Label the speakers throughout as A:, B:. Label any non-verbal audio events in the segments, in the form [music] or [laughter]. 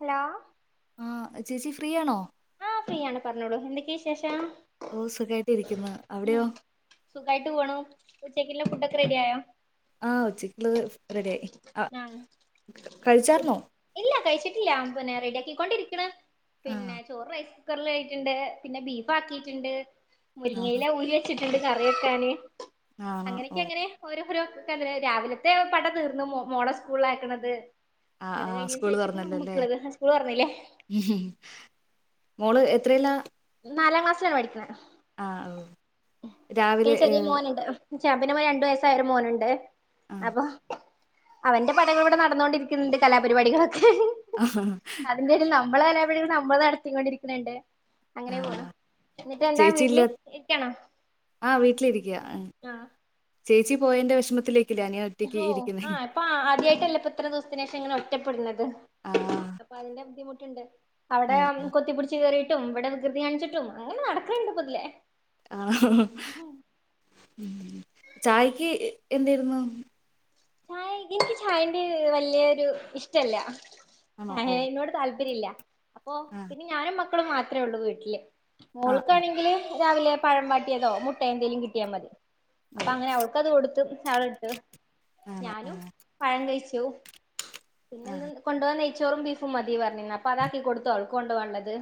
A: Hello
B: ആഹ് ചേച്ചി free ആണോ
A: ആഹ് ഫ്രീ ആണ് പറഞ്ഞോളൂ എന്തൊക്കെ വിശേഷം
B: ഓ സുഖായിട്ട് ഇരിക്കുന്നു
A: ഉം
B: അവിടെയോ
A: സുഖായിട്ട് പോണു ഉച്ചക്കുള്ള ഫുഡ് ഒക്കെ റെഡിയായോ
B: ആഹ് ഉച്ചക്കുള്ളത് റെഡിയായി ആ
A: ആഹ്
B: കഴിച്ചാരുന്നോ
A: ല്ല പിന്നെ റെഡിയാക്കിക്കൊണ്ടിരിക്കണ്
B: ആ
A: പിന്നെ ചോറ് റൈസ് കുക്കറിൽ ആയിട്ടുണ്ട് പിന്നെ ബീഫ് ആക്കിയിട്ടുണ്ട് മുരിങ്ങ
B: ആഹാ
A: ഇല ഊരി വെച്ചി ട്ടണ്ട് കറി വെക്കാന്
B: ആണോ
A: അങ്ങനെയൊക്കെ
B: ഓ
A: അങ്ങനെ ഓരോരോ രാവിലത്തെ പട തീർന്ന് മോ മോളെ സ്കൂളിൽ ആക്കണത്
B: ആഹ്
A: അത്
B: ആഹ്
A: കഴിഞ്ഞതിന്
B: സ്കൂള്
A: ശേഷം ഇപ്പ
B: തുറന്നല്ലോ അല്ലേ
A: നമുക്കുള്ളത് സ്കൂൾ തുറന്നില്ലേ
B: മോള് എ ത്രയിലാ
A: നാലാം ക്ലാസിലാണ് പഠിക്കണെ
B: ആഹ് ഓ
A: പിന്നെ
B: രാവിലെ ഏ
A: ചെറിയ മോനുണ്ട് [unintelligible] രണ്ട് വയസ്സായ ഒരു മോനുണ്ട്
B: ആ
A: അപ്പൊ അവന്റെ പടങ്ങെൾ ഇവെടെ നടന്നോണ്ടിരിക്ക്ന്ന്ണ്ട് കലാപരിപാടികളൊക്കെ
B: ആ
A: അതിന്റെ ഒര് ന നമ്മള് തന്നെ ഇവിടൊരു സംഭവം നടത്തിക്കൊണ്ടിരിക്കുന്നുണ്ട് അങ്ങനെ പോണ്
B: ആ.
A: എന്നിട്ട് എന്താ വീട്ടില് ഇരിക്കാണോ
B: ആഹ് വീട്ടിലിരിക്കാ
A: ആഹ്
B: ചേച്ചി പോയെയിന്റെ വെഷമത്തിലെ
A: ഹോ ആഹ് ഇപ്പ ആ ആദ്യ ആയിറ്റ് അല്ലെ ഇപ്പ ഇത്ര ദിവ്സെത്തിന് ശേഷം ഇങ്ങനെ ഒറ്റപ്പെട്ണെത്
B: ആ
A: അപ്പ അതിന്റെ ബുദ്ധിമു ട്ട് ഇണ്ട് അവ്ടെ
B: ഉം ഉം
A: കൊത്തിപ്പുട്ച്ച് കെറി ട്ടും ഇവെടെ വികൃതി കാണിച്ചിട്ടും അങ്ങനെ നട്ക്ക്ണ് ഇണ്ട് ഇപ്പം ഇതിലെ
B: ആണോ ചായെക്ക് എന്തെയ്ര്ന്നു
A: ചായ ഇൻക്ക് ചായെന്റെ വല്ലിയൊരു ഇഷ്ടം ഇല്ല
B: ആണോ
A: ചായ
B: ഓ
A: ആയിനോട് താൽപ്പെര്യം ഇല്ല അപ്പൊ
B: ആ
A: പിന്നെ ഞാനും മക ക്കെളും മാത്രേ ഒള്ളു വീട്ട്ൽ
B: ആ ആ
A: മോൾക്കാണെങ്കിൽ രാവിലെ പഴം വാട്ടിയെതോ മുട്ടെ എന്തെങ്കിലും കിട്ടിയാ മതി
B: ഓ
A: അപ്പൊ അങ്ങനെ അവൾക്ക അത് കൊടുത്തു [unintelligible] ഇട്ട്
B: ആണോ ആ
A: ഞാനും പഴ ഴിചു
B: ആ
A: പിന്നെ ഇന്ന് കൊണ്ടോവാൻ നെ ചൊറും ബീഫും മതി പറഞ്ഞിണി അപ്പൊ അതാക്കി കൊടുത്തു അവൾക്കു കൊണ്ടുവാൻ ഉള്ളത്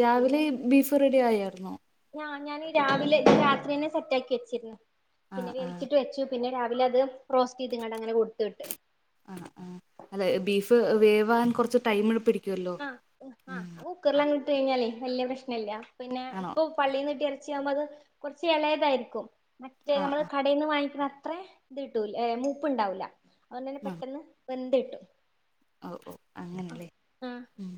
B: രാവിലെ ബീഫ് റെഡി ആയായിരുന്നോ
A: ആ ഞാൻ രാവിലെ രാത്രിന്നെ സെറ്റ ആക്കി വെച്ചിരുന്നു പിന്നെ
B: ആഹ് ആഹ്
A: വേവിച്ചിട്ട് വെച്ചു. പിന്നെ രാവിലെ അത് റോസ്റ്റ് ചെയ്ത്ങ്ങണ്ട് അങ്ങനെ കൊടുത്തുവിട്ടു
B: വാൻ കുറച്ച് ടൈം പിടി
A: ആഹ ആ കുക്കറിലെ അങ്ങ് ഇട്ട് കഴിഞ്ഞാലേ വലയ പ്രശ്നല്ല പിന്നെ
B: ആണോ
A: ഇപ്പൊ പള്ളിൽന്ന് കിട്ടി മ്പോ അത് കുറച്ച് ഇളയതായിരിക്കും മറ്റേ
B: ആഹ്
A: നമ്മള് കടയിൽ നിന്ന് വാങ്ങിക്കുന്ന അത്രേ ഇത് കിട്ടൂല മൂപ്പുണ്ടാവൂല്ല നനെ
B: ആഹ്
A: പെട്ടെന്ന് വെന്തു കിട്ടും
B: ഓ ഓ
A: ആഹ്
B: അങ്ങനെല്ലേ
A: ആഹ്
B: ഉം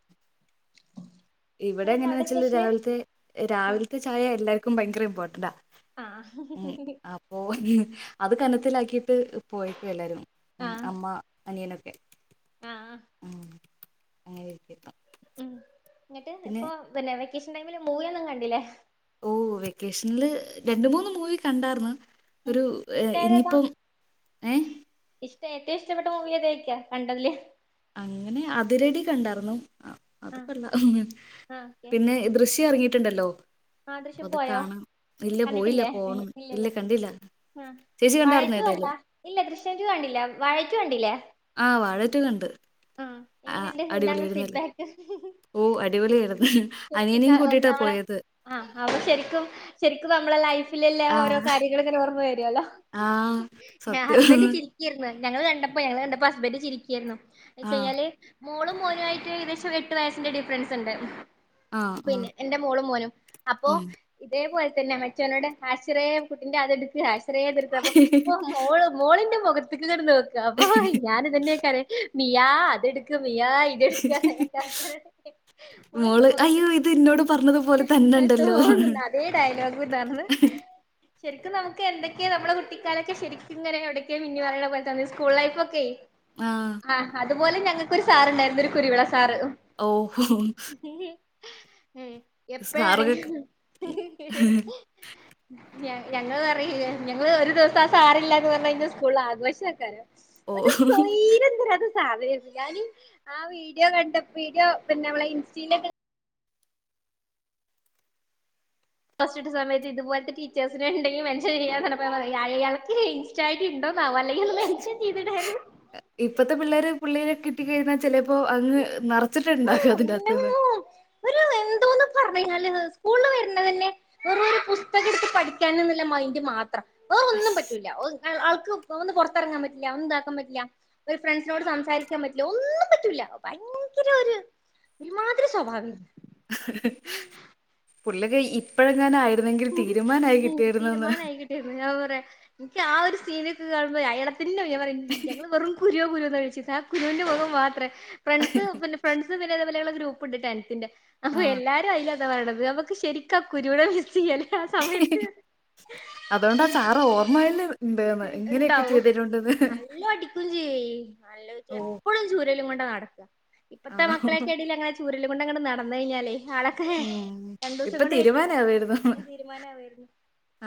B: ഇവിടെ,
A: ഇന്നെട്ടെന്താ
B: എങ്ങനെയന്ന്,
A: അവിടെ
B: വെച്ചാല്
A: സ്പെഷ്യല്
B: രാവിലത്തെ. രാവിലത്തെ, ചായ, എല്ലാ ക്കും ഭയങ്കര, ഇംപോർട്ടന്റാ.
A: ആ
B: അത്, കനത്തിലാക്കിട്ട്- പോയേക്കുവാ, എല്ലാരും,
A: ആഹ്
B: അമ്മ അനിയനൊക്കെ.
A: ആഹ്
B: കേ ആ ആരിക്ക [unintelligible]
A: ഉം എന്നിട്ട്, ഇപ്പൊ, [unintelligible] വെക്കേഷൻ, ടൈമില് മൂവിയൊന്നും, കണ്ടില്ലേ.
B: ഓ, വെക്കേഷനില്, രണ്ട്, മൂന്ന് മൂവി, കണ്ടാർന്ന്.
A: ഉം
B: ഒരു,
A: ഇഷ്ടായതേതാ
B: ഇനിയിപ്പം ഏ
A: ഇഷ്ടം [unintelligible] ഏറ്റവും, ഇഷ്ടപ്പെട്ട, മൂവി ഏതായിരിക്കും, കണ്ടതില്
B: അങ്ങനെ, അതിരടി കണ്ടാർന്നു ആ
A: ആഹ്
B: അതൊക്കെല്ല പിന്നെ, ദൃശ്യം ഇറങ്ങിയിട്ടുണ്ടല്ലോ ഹലോ
A: ആ, ദൃശ്യം, പോയോ,
B: പോയില്ല
A: കണ്ടിട്ടില്ലേ
B: പോകണം ഇല്ല
A: ഇല്ലില്ലാ,
B: കണ്ടില്ല
A: ആ,
B: ചേച്ചി കണ്ടായിരുന്നോ
A: വാഴറ്റു,
B: ഏതായാലും
A: കണ്ടാ, ഇല്ലാ ദൃശ്യംറ്റു, കണ്ടില്ല, വാഴറ്റു കണ്ടില്ലേ.
B: ആ, വാഴറ്റു, കണ്ട്.
A: ആ
B: ആ
A: എങ്ങനെണ്ട്, എന്താണ്
B: അടിപൊളിയായിരുന്നല്ലേ
A: ഫീഡ്ബാക്ക്
B: ഓ അടിപൊളിയായിരുന്നു
A: ശരിക്കിട്ടാ
B: അനിയനെയും കൂട്ടിയിട്ടാണ്
A: നമ്മളെ
B: പോയത്
A: ആ അപ്പൊ ശരിക്കും ശരിക്കും നമ്മള ലൈഫ് ലെല്ലാ
B: ആ
A: ഓരോ കാര്യങ്ങളും ഇങ്ങനെ ഓർമ്മ വര് ത്തിയാലോ.
B: ആ സത്യം
A: ഹസ്ബൻഡ് ചിരിക്ക്യാരുന്നു [unintelligible] ഞങ്ങള് കണ്ടപ്പം ഞങ്ങള് കണ്ടപ്പോ ഹസ്ബൻറ് ചിരിക്ക്യായിരുന്നു.
B: ആ
A: വെചെയ്ഞ്ഞാല് മോളും മോനു, ആയിട്ട് ഏകദേശം ഒരു എട്ട് വയസ്സിന്റെ ഡിഫ്റൻസ് ണ്ട്.
B: ആ ആ
A: പിന്നെ എന്റെ മോളും മോനും. അപ്പം
B: ഉം.
A: ഇതേപോൽ തന്നെ മറ്റോനോട് ഹാശിറേ [unintelligible] കുട്ടിന്റെ അത്ട്ക്ക് ഹാഷ് റേ ഇതട്ക്ക്. അപ്പം മോള് മോള്ൻ്റെ മൊ ഖത്ത്ക്ക് ങ്ങട്ട് നോ ക്ക. അപ്പ ഞാൻ ഇതന്നേക്കാരെ നീയാ അത്ട് ക്ക് നിയാ ഇത്ട്ക്ക് [unintelligible] ഓള്ണ്ട്
B: മോള് അയ്യോ
A: മൊഖത്ത്ക്ക്
B: ഇത് എന്നോട് പറഞ്ഞതുപോലെ തന്നെ ഉണ്ടല്ലോ
A: [unintelligible] അതേ ഡയലോഗും നർഞ്ഞ് ശരിക്കും നമുക്ക് എന്തൊക്കെ നമ്മളെ കുട്ടിക്കാലൊക്കെ ശരിക്കും ഇങ്ങനെ എവിടെക്കേ മിന്നി മറയ്ണ പോലത്തെ തോന്നി സ്കൂൾ ലൈഫ് ഒക്കെ
B: ആഹ്
A: ആ അതുപോലെ ഞങ്ങക്കൊരു സാറുണ്ടായിരുന്നു. ഒരു കുരുവിള സാറ്
B: ഓഹോ
A: ഏ എപ്പഴാണെങ്കും ഞങ്ങൾ പറയ ഞങ്ങള്ൾ ഒരു ദിവസം ആ സാറില്ലാന്ന് പറഞ്ഞു കഴിഞ്ഞൽ സ്കൂളിൽ ആഘോഷം ആക്കാരോ ഒരു
B: ഓ
A: സ്വര്യം തരാ സാധന ഞാനും ആ വീഡിയോ കണ്ട വീഡിയോ പിന്നെ നമ്മളെ ഇൻസ്റ്റയിലേ സ്റ്റിട്ട സമയത്ത് ഇതുപോലത്തെ ടീച്ചേഴ്സന് ഉണ്ടെങ്കിൽ മെൻഷൻ പറ അയാൾക്കിനി ഇൻസ്റ്റ ഐഡി ഇണ്ടോ മാല്ലെങ്കന്ന് മെൻഷൻ ചെയ്തിടരുന്നു
B: കട്ടഴാ ചിലപ്പോ അങ്ങ് മറ വച്ചിട്ടുണ്ടാക്കോ അതിന്റെ അതുന്ന്ന്
A: പറഞ്ഞ കഴിഞ്ഞാ സ്കൂളിൽ വരുന്ന തന്നെ വെറരു പുസ്തകം എടുത്ത് പഠിക്കാന എന്നുള്ള മൈൻഡറ് മാത്രം ഒന്നും
B: അശ്.
A: പറ്റൂല ഓ ആൾക്ക് ഒന്ന് പുറത്തിറങ്ങാൻ പറ്റില്ല ഒന്നും ഇതാക്കാൻ പറ്റില്ല ഒരു ഫ്രണ്ട്സിനോട് സംസാരിക്കാൻ പറ്റില്ല ഒന്നും പറ്റൂല്ല ഭയങ്കര ഒരു ഒരുമാതിരി സ്വഭാവം
B: അ പുള്ള ഇപ്പഴെങ്ങ ആ ആരുന്നെങ്കിൽ തീരുമാനായി കിട്ടിയിരുന്നന്ന്
A: ൻക്ക് ആ ഒരു സീനൊക്കെ കാണുമ്പോൾ അയാളെ പിന്നെ മേമ പറിം ഞങ്ങള് വെറും കുരോ കുരോന്നാ തഴിച്ചിത് ആ കുരുൻ്റെ മുഖം മാത്രേ ഫ്രണ്ട്സ് പിന്നെ ഫ്രണ്ട് ന്നെതെപോലെയുള്ള ഗ്രൂപ്പുണ്ട് ടെൻത്തിന്റെ അപ്പൊ
B: ആ
A: എല്ലാരും അയില പറണത് നമുക്ക് ശരിക്ക കുരുവിള [unintelligible] ആ സമയത്ത്
B: അതുകൊണ്ടാ സാറ് ഓർമ്മയിൽ ഉണ്ടെന്ന് ഇങ്ങനെയൊക്കെ
A: ണ്ടാവും
B: ചെയ്തിട്ടുണ്ടെന്ന്
A: നല്ലൊ അടിക്കും ചെയ്യേ നല്ല
B: ഓ
A: എപ്പോഴും ചൂരലും കൊ നാടക്ക ഇപ്പത്തെ
B: ആണോ
A: മക്കളെക്കെടെലങ്ങനെ ചൂ ല്കൊണ്ടങ്ങട് നടന്നയ്ഞ്ഞാലേ
B: ഉം ഇപ്പൊ തീരുവാനാ
A: കെട്ടിയിട്ടുണ്ട്
B: വരുന്ന ഉം
A: തീരുമാനാവായിരുന്നു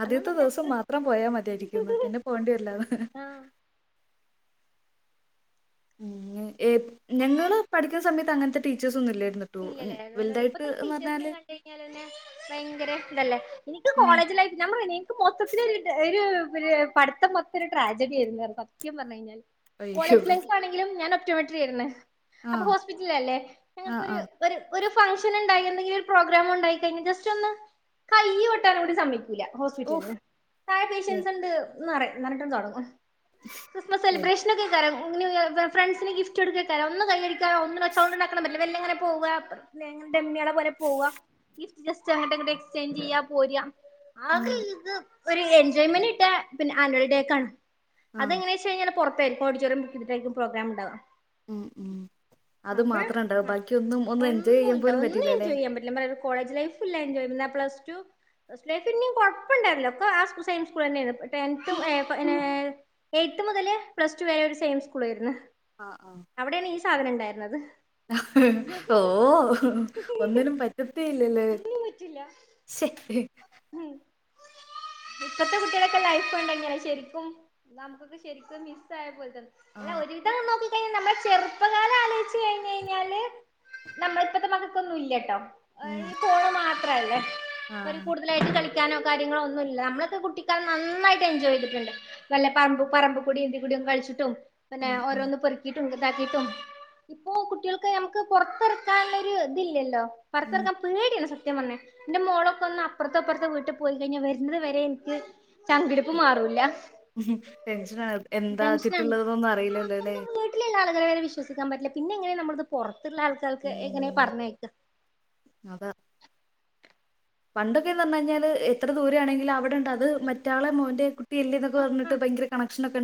B: ആദ്യത്തെ
A: അന്നൊന്നും പിന്നെ
B: ദെവ്സം
A: അത്രക്ക്
B: മാത്രം പോയാ മതിയിരിക്കുംന്ന് പിന്നെ പോണ്ടി വരില്ലാന്ന്
A: ആഹ്
B: ഉം എ ഞങ്ങള് പഠിക്ക്ന്ന സമയത്ത് അങ്ങനത്തെ ടീച്ചേസ്
A: ഇല്ലല്ലേ ഇപ്പയത്തെ ടീച്ചേഴ്സിനെ
B: പറഞ്ഞാല്
A: കണ്ട് കഴിഞ്ഞാൽതന്നെ ഭയങ്കര തല്ലേ എനിക്ക്
B: ഉം,
A: കോളേജ് ലൈഫ് നമ്മള് എനിക്ക് മൊത്തത്തിലൊര് ട ഒര് ര് പഠിത്തം മൊത്തം ഒരു ട്രാജടി ആയിര്ന്ന് സത്യം പറഞ്ഞ് കഴിഞ്ഞാല്
B: അയ്യോ
A: കോളേജ് ലൈഫ് ആണെങ്കിലും ഞനൊ റ്റോമെറ്റ്റിയാര്ന്ന്
B: ആ
A: അപ്പൊ ഹോസ്പിറ്റലല്ലേ ഞ
B: ആ
A: ഒര്
B: ആ
A: ഒര് ഒര് ഫംഗ്ഷന്ണ്ടായി ഒന്നെങ്ങി ഒര് പ്രോഗ്‌രാമ്ണ്ടായി കഴിഞ്ഞ ജസ്റ്റൊന്ന് കയ്യ് കൊട്ടാനൂടിം സമ്മയ്ക്കൂല ഹോസ്പിറ്റൽല് താഴെ പേഷ്യൻസ് ഇണ്ട് ന്ന് റിം ന്നറിഞ്ഞിട്ടം തൊടങ്ങും
B: ഓ
A: ക്രിസ്മസൽബ്രേഷനൊക്കെയ്ക്കാരം കോ ന്ന് ഫ്രണ്ട്സിന് ഗിഫ്റ്റ് കൊടുക്കട്ടെയ്ക്കാരം ഒന്ന് കൈയ്യടി [unintelligible] പോവാ ഡെമ്മിളെ പോലെ പോവാ ഇസ്റ്റ് ജസ്റ്റ് അങ്ങനെ തന്നെ എക്സ്ചേഞ്ചയ്യ പോരാ
B: ഉം
A: [unintelligible] ഒരു എൻജോയ്മെന്റ് കിട്ടാ പിന്നെ ആനുവൽ ഡേക്കാണ്
B: ആഹ്
A: അതെങ്ങനെച്ച് കയ്ഞ്ഞാൽ പൊർ ഓഡിറ്റോറിയം ബുക്കെയ്തിട്ടായിരിക്കും പ്രേഗ്രാമ്ണ്ടാവാ
B: ഉം ഉം അത് മാത്രം ഉണ്ടാവ
A: അപ്പഴ്
B: ബാക്കി ഇതൊന്നും ഒന്നും എൻജോയ് ചെയ്യാൻ
A: ഒന്നുമില്ല.
B: പോലും
A: ഒന്നും
B: പറ്റീലാല്ലേ
A: എൻജോയ് ചെയ്യാൻ പറ്റില്ല. ഞാൻ പറയാ കോളേജ് ലൈഫല്ലാ എൻജോയ് ചെയ്യാതിരുന്നെ പ്ലസ്ടു പ്ലസ്ടു ലൈഫ് പിന്നേം കൊഴപ്പണ്ടായിരുന്നില്ല ഒക്കെ ആ സെയിം സ്കൂൾ തന്നെയാരുന്നു ടെൻത്തും ഏ ഏ എയ്ത്ത് മുതല് പ്ലസ്ടു വരെ ഒരു സെയിം സ്കൂൾ ആയിരുന്നു
B: ആഹ് ആഹ്
A: അവിടെയാണ് ഈ സാധനം ഇണ്ടായിരുന്നത്
B: ഓ ഒന്നിനും പറ്റത്തേയി
A: ഒന്നിനും പറ്റില്ല ഇപ്പത്തെ കുട്ടികളൊക്കെ ലൈഫ് കണ്ടെഴിഞ്ഞാലെ ശരിക്കും നമുക്കൊക്കെ ശരിക്കും മിസ് ആയ പോല അല്ല
B: ആഹ്
A: ഒരു വിധം നോക്കി ഇപ്പയിന് നമ്മളെ ചെറുപ്പകാലം ആലോചിച്ച് കഴിഞ്ഞ് കഴിഞ്ഞാല് നമ്മള ഇപ്പത്തെ മക്കക്കൊന്നും ഇല്ലാട്ടോ
B: ഉം
A: ത്രല്ലേ അവര്
B: ആഹ്
A: കൂടുതലായിട്ട് കളിക് കളിക്കാനോ കാര്യങ്ങളോ ഒന്നുല്ല നമ്മളൊക്കെ കുട്ടിക്കാലം നന്നായിട്ട് എൻജോയ് ചെയ്തിട്ടുണ്ട്, വല്ല പറമ്പ് പറമ്പ് കൂടിയും എന്തി കൂടിയും കളിച്ചിട്ടും പിന്നെ
B: ഉം ഉം
A: ഓരോന്ന് പെറുക്കീട്ടും ഇതാക്കിട്ടും ഇപ്പൊ കുട്ടികൾക്ക് ഞമ്മക്ക് പൊറത്തിറക്കാനുള്ള ഒരു ഇതില്യ ല്ലോ
B: ഉം
A: പൊറത്തെറക്കാൻ പേടിയാണ് സത് സത്യം പറഞ്ഞ എന്റെ മോളൊക്കെ ഒന്ന് അപ്പുറത്തോ ഇപ്പർത്തോ വീട്ടിൽ പോയി കഴിഞ്ഞാ വരുന്നത് വരെ എനിക്ക് ചങ്കിടിപ്പ് മാറൂല്ല
B: ടെൻഷനാണ് എന്താ
A: ടെൻഷനാണ്
B: ചുറ്റുള്ളതൊന്നും അറിയില്ലല്ലോലെ
A: ക്കാരെ വരെ വിശ്വസിക്കാൻ പറ്റില്ല പിന്നെങ്ങനെ നമ്മളത് പൊറ ത്ത്ള്ള ആൾക്കാർക്ക് എങ്ങനെയാ
B: ഉം
A: പറഞ്ഞയക്ക
B: അതാ പണ്ടൊക്കെന്ന് പറഞ്ഞഴിഞ്ഞാല് എത്ര ദൂരെ ആണെങ്കിലും അവിടെണ്ട് അത് മറ്റാളെ മോന്റെ കുട്
A: ആ ആ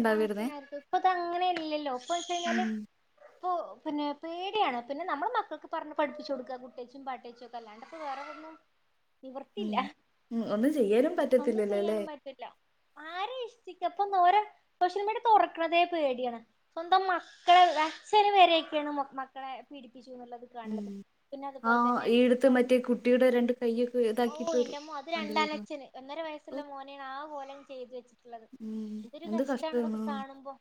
A: [inaudible] ഇപ്പൊ ഇത് അങ്ങനെല്ലല്ലോ ഇപ്പൊ വെച്ച് കഴിഞ്ഞാല്
B: ഉം
A: ഇപ്പൊ പിന്നെ പേടിയാണ് പിന്നെ നമ്മെ മക്കൾക്ക് പറഞ്ഞ് പഠിപ്പിച്ചു കൊടുക്കുക കുട്ടിയേച്ചും പാട്ടേച്ചും ഒക്കെ അല്ലാണ്ട്പ്പോ വേറെന്നും
B: ഉം ഉം ഒന്നും ചെയ്യാനും പറ്റത്തില്ലല്ലോല്ലേ
A: [unintelligible] ഓരെ സോഷ്യൽ മീഡിയ തുറക്കാനെ പേടിയാണ് സ്വന്തം മക്കളെല അച്ഛന് വരെയൊക്കെയാണ് മക്കളെ പീഡിപ്പി
B: ഉം
A: [unintelligible] പിന്നെ
B: ആ
A: അതുപോലെ തന്നെ
B: ഈ അടുത്ത്
A: ആ
B: മറ്റേ കുട്ടിയുടെ രണ്ട് കൈയൊക്കെ
A: ഓ
B: ഇതാക്കിയിട്ട്
A: എന്റമ്മോ അത്
B: കണ്ടില്ലായിരുന്നോ
A: രണ്ടാനച്ഛന് ഒന്നര
B: ഓ
A: വയസ്സുള്ള മോനെ ആ മോനെയാ ടിവി വെച്ച്
B: ഉം എന്ത് കഷ്ടാണോ
A: കാണുമ്പോ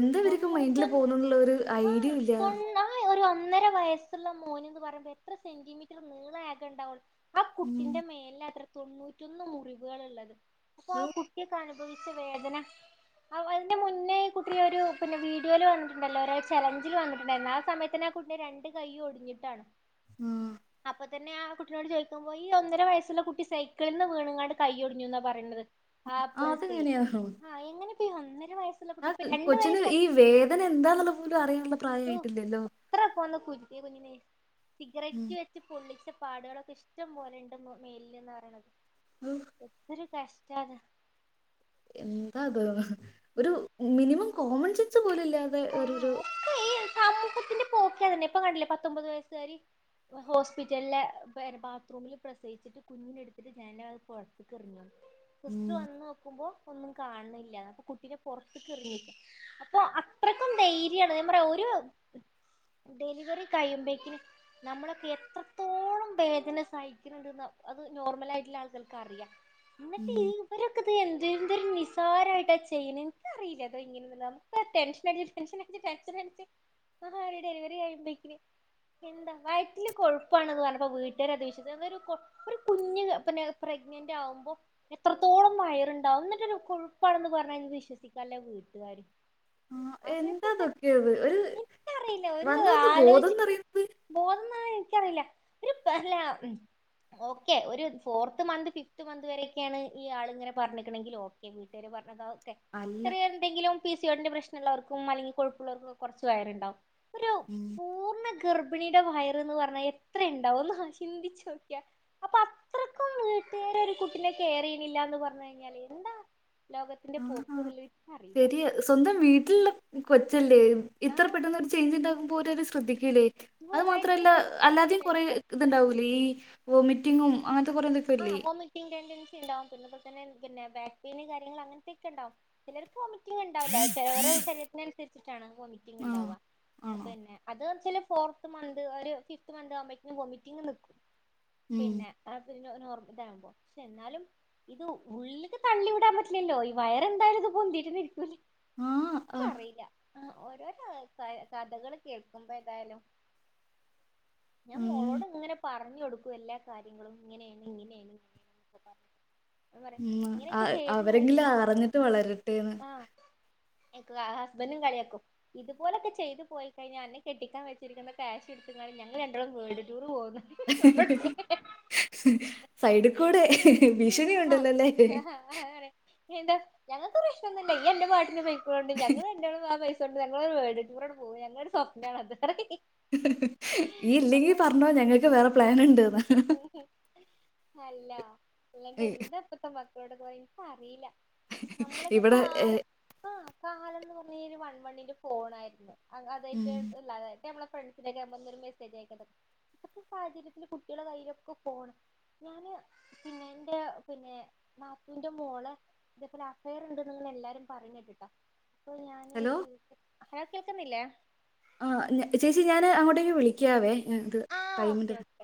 B: എന്താ ഇവരെയൊക്കെ മൈൻഡില്
A: തൊണ്ണൂറ്റൊന്ന്
B: പോണന്നുള്ളൊരു
A: ആഹ്
B: ഐഡിയ ഇല്ല
A: കൊണ്ടാ ഒരു ഒന്നര വയസ്സുള്ള മോനിന്ന് പറയുമ്പോ എത്ര സെന്റിമീറ്റർ നീള ആകെ ഇണ്ടാവുള്ളു ആ
B: ഉം
A: കുട്ടിന്റെ മേലിലാത്രെ തൊണ്ണൂറ്റൊന്ന് മുറിവുകളുള്ളത് അപ്പോ ആ
B: ഓ
A: കുട് അനുഭവിച്ച വേദന അവന്റെ മുന്നേ കുട്ടി ഒരു പിന്നെ വീഡിയോൽ വന്നിട്ടുണ്ടല്ലോ ഓരോ ചലഞ്ചിൽ വന്നിട്ടുണ്ടായിരുന്നു ആ സമയത്ത് നെ ആ കുട്ടി രണ്ട് കൈയും ഒടിഞ്ഞിട്ടാണ്
B: ആ
A: അപ് അതന്നെ ആ കുട്ടിനോട് ചോദിക്കുമ്പോ ഈ ഒന്നര വയസ്സുള്ള കുട്ടി സൈക്കിൾന്ന് വീണിങ്ങാണ്ട് കൈയൊടിഞ്ഞുന്നാ പറയണത്.
B: ആ അതെങ്ങനെയാ
A: [unintelligible] [unintelligible]
B: ആ
A: കുട്ടി ഇപ്പൊ രണ്ട്
B: കൊച്ചിന്
A: വയസ്സാ
B: ഈ വേദന എന്താന്നുള്ളപോലും അറിയാനുള്ള
A: ഓ
B: പ്രായായിട്ടില്ലല്ലോ?
A: ഇത്ര പോന്ന കുഞ്ഞിനെ സിഗരറ്റ് വെച്ച് പൊള്ളിച്ച പാടുകളൊക്ക ഇഷ്ടം പോലെണ്ട്ന്ന് മേൽന്നാണ് പറയണത്
B: ഓ
A: എന്തൊരു കഷ്ടാണ്.
B: എന്താതൂ ഒരു
A: ഉം
B: മിനിമം കോമൺ സെൻസു പോലെ ല്ലാതെ ഒരോരോ
A: പോക്കതന്നെ. ഇപ്പൊ കണ്ട്ല്ലേ പത്തൊമ്പത് വയസ്സുക്കാരി ഹോസ്പിറ്റലിലെ ബാത്റൂമില് പ്രസവിച്ചിട്ട് കുഞ്ഞിനെ എട്ത്തിട്ട് ജനാൽ പൊർത്ത്ക്കെർഞ്ഞൂന്ന്. സിസ്റ്റർ
B: ഉം
A: വന്നോക്കുമ്പോ ഒന്നും കാൺ ഇല്ല അപ്പൊ കുട്ടിനെ പൊർത്ത്ക്കെ റിഞ്ഞേക്കാ അപ്പൊ അത് അത്രയ്ക്കും ധൈര്യാണ്. ഞാ പറയാ ഒരു ഡെലിവറി കഴിയുമ്പേ ക്കിന് നമ്മളൊക്കെ എത്രത്തോളം വേദന സഹിക്ക്ണ് ണ്ട്. ന്നാ അത് നോർമലായിട്ട്ള്ള ആൾക്കൾക്ക് അറിയാം. ഇന്ന്ട്ട്
B: ഉം
A: ഇവരൊക്കത് എ ന്തൊരു നിസാരായിട്ട ചെയ്യിണ്. ഇൻക്കറിയില്ല ഇതെങ്ങനെന്ന്ള്ള അമുക്കാ ടെൻഷ ടെൻഷനടിച്ച് ടെൻഷനടിച്ച് ആഹാ ഡെലിവറി ആയിമ്പേക്കിന് എന്താ വയറ്റില് കൊഴുപ്പാണ് ന്ന് പർ ഞ്ഞപ്പോ വീട്ടാര് അത് വിശ്വ ഒരു കുഞ്ഞ് പിന്നെ പ്രഗ്നന്റ് ആവ്മ്പോ എത്രത്തോളം വയറ്ണ്ടാവും. ന്നിട്ടെ രു കൊഴുപ്പാണെന്ന് പർഞ്ഞ വിശ്വസിക്കാല്ലേ വീട്ട്കാര്.
B: ആഹ് എന്താതൊക്കേത് ഒരു
A: എനിക്കറിയില്ല ഒരു
B: വന്ന് വന്ന് ബോധംന്ന്റയ്ന്നത്
A: ഇൻക്കറില്ല ഒര് ഫർല ഓക്കേ ഒര് ഫോർത്ത് മന്ത്, ഫിഫ്ത് മന്ത് വരെയൊക്കെയാണ് ഈ ആൾ ഇങ്ങനെ പർഞ്ഞ്ക്ക്ണെങ്കില് ഓക്കെ വീട്ടുകാര് പറഞ്ഞക്കാ തെ
B: അല്ല
A: ചെറിയ എന്തെങ്കിലും പിസ് പിസിയോടിന്റെ പ്രശ് ഉള്ളവർക്കും അല്ലെങ്കിൽ കൊഴുപ്പ് ഉള്ളവർക്കും കൊറച്ച് വയറുണ്ടാവും ഒരു
B: ഉം
A: പൂർണ്ണ ഗർഭിണിയുടെ വയറ് എന്ന് പറഞ്ഞാ എത്ര ഇണ്ടാവുന്ന് ഒന്ന് ചിന്തിച്ചു നോക്കിയാ അപ്പൊ അത്രക്കും വീട്ടുകാര് ഒരു കുട്ടിനെ കെയറയു ചെയുന്നില്ലാന്ന് പറഞ്ഞ് കഴിഞ്ഞാല് എന്താ- ലോകത്തിന്റെ
B: ആ
A: പോക്ക് [unintelligible] എനിക്കറിയില്ല
B: ഇക്ക് കൊച്ചല്ലേ ഇത്ര
A: ആഹ്
B: പെട്ടെന്ന് ഒരു ചേഞ്ച്‌ ഉണ്ടാകുമ്പോൾ ഒര് ര് [unintelligible] ഇല്ലേ അത്
A: വയറ്റില്
B: മാത്രല്ല
A: കൊഴുപ്പാണെന്ന്
B: അല്ലാതേയും കൊറേ
A: വിചാരിക്കാറ്
B: ഇത് യിണ്ടാവൂലേ ഈ ഒമിറ്റ് - ങ്ങും അത് കൊറേ ലിപ് -
A: ആഹ് വോമിറ്റിംഗ് ടെൻഡൻ ണ്ടാവും പിന്നതുപോലെതന്നെ പിന്നെ ബാക്ക് പെയ്ൻ കാര്യങ്ങൾ അങ്ങനത്തെയൊക്കെണ്ടാവും ചിലർ വോമിറ്റിംഗിണ്ടാവില്ല ചിലർ ശരീത്തിനുസരിച്ചിട്ടാണ്
B: ആ
A: വോമിറ്റിംഗിണ്ടാവുക
B: ആണോ
A: അതന്നെ അത് ച്ചാൽ ഫോർത്ത് മന്ത്ര് ഒരു ഫിഫ്ത് മന്ത് ആകുമ്പെക്കും വോമിറ്റിംഗ് നിക്കും
B: ഉം
A: പിന്നെ അത് നോ നോർ ഇതാമ്പോ പക്ഷെ എന്നാലും ഇത് ഉള്ക്ക് തള്ളി വിടാൻ പറ്റില്ലല്ലോ ഈ വയറന്തായാലും ഇത് പൊന്തിട്ടന്നേ ഇരിക്കുലേ
B: ആ ആ,
A: പറയില്ല ആ ഓരോരോൾക്ക ക കഥകൾ കേൾക്കുമ്പോ ഏതായാലും ഞാൻ
B: ഉം,
A: മോളോട് ഇങ്ങനെ പറഞ്ഞ ഞ്ഞുടുക്കും എല്ലാ കാര്യങ്ങളും ഇങ്ങനെയാണ് ഇങ്ങനെയ ഉം ഇപ്പ
B: ഉം അഹ് അവരെങ്കിലും
A: കഴിച്ചാ
B: അറിഞ്ഞിട്ട് വളരട്ടെന്ന്
A: [unintelligible] ഹസ്ബൻഡും കളിയാക്കും ഇത്പോലെക്കെ ചെയ്ത് പോയിക്കഴിഞ്ഞാ അന്നെ കെട്ടിക്കാൻ വെച്ചിരിക്കുന്ന ക്യാഷ് ഇട്ത്ത്ക്കാണ്ട് ഞങ്ങള് രണ്ടാളും വേൾഡ്ടൂർ പോവു
B: സൈഡ് കൂടെ ഭീഷണി ഉണ്ടല്ലോല്ലേ
A: ന്താ ഞങ്ങൾക്ക് പ്രശ്നൊന്നുല്ല ഇയ്യ് അന്റെ പാട്ടിന് പോയ് ണ്ട് ഞങ്ങള് രണ്ടാളും ആ പൈസ് ണ്ട് ഞങ്ങളൊരു വേൾഡ്ടൂറാണ്ട് പോവും ഞങ്ങളുടൊരു സ്വപ്നണത് പറിം
B: ഇയ്യ് ഇല്ലെങ്കി പറഞ്ഞോ ഞങ്ങള്ക്ക് വേറെ പ്ലാന്ണ്ട്ന്നാ
A: അല്ല അല്ലാണ്ട് എന്താ ഇപ്പത്തെ മ [unintelligible] അറീല നമ്മളൊക്കെ
B: ഇവിടെ
A: കാലത്ത് കാലന്ന് പ നീര് വൺവണിന്റെ ഫോണായിര്ന്നു അ അതായിട്ട്
B: ഉം.
A: ഇളാതായി ഇപ്പമ്മള് ഫ്രണ്ട്സിനോക്കെ നമ്മന്നൊര് മെസ്സേജ് അയക്കേ ഇപ്പത്തെ സാഹചര്യത്തില് കുട്ടിളെ കയ്യിലൊക്കെ ഫോണ് ഞാന് പിന്നെ എന്റെ പിന്നെ നാത്തൂന്റെ മോളേ ഇതേപോലെ അഫയറ് ഉണ്ട്ന്ന് എല്ലാരും പറയ്ണ കേട്ട്ട്ടോ പ്പോ ഞാന്
B: ഹലോ
A: [unintelligible] അയാ കേൾക്ക്ന്നില്ലേ?
B: ആ ചേച്ചി ഞാന് അങ്ങോട്ടേക്ക് വിളിക്കാവേ ഏ ത്
A: ആഹ് ഓക്കെ
B: ടൈമിന്റെ [inaudible]
A: ഓക്കെ